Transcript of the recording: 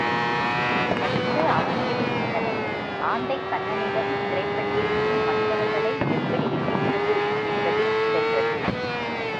அடுத்து அவனுடைய சிந்தனை ஆந்தைக்கண்ணனிடம் சிறைப்பட்டிருக்கும் மற்றவர்களை எப்படி விடுவிப்பது என்பதில் சென்றது.